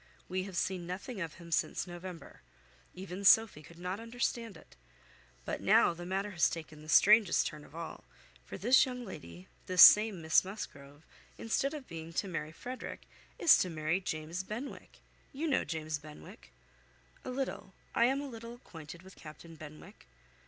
We have seen nothing of him since November. Even Sophy could not understand it. But now, the matter has taken the strangest turn of all; for this young lady, the same Miss Musgrove, instead of being to marry Frederick, is to marry James Benwick. You know James Benwick." "A little. I am a little acquainted with Captain Benwick."